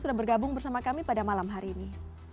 sudah bergabung bersama kami pada malam hari ini